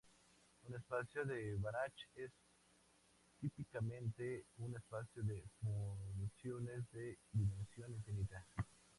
Un espacio de Banach es típicamente un espacio de funciones de dimensión infinita.